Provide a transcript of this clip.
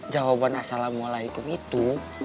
jawaban assalamualaikum itu